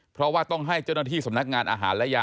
เพราะว่าต้องให้เจ้าหน้าที่สำนักงานอาหารและยา